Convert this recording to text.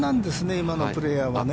今のプレーヤーはね。